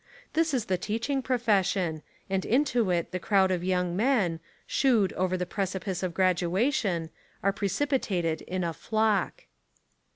This is the teaching profession and into it the crowd of young men, *'shoo'd" over the precipice of graduation, are precipitated in a flock.